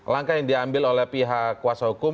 langkah yang diambil oleh pihak kuasa hukum